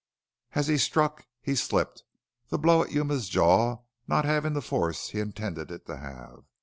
As he struck he slipped, the blow at Yuma's jaw not having the force he intended it to have.